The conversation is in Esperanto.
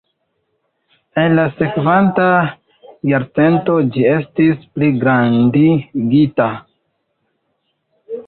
En la sekvanta jarcento ĝi estis pligrandigita.